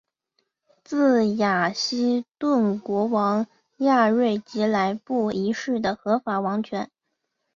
自雅西顿国王亚瑞吉来布一世的合法王权。